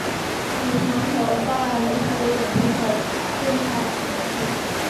吕桑河畔丰人口变化图示